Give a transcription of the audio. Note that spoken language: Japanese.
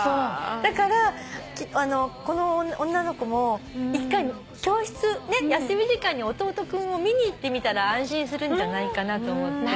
だからこの女の子も一回教室休み時間に弟君を見に行ってみたら安心するんじゃないかなと思って。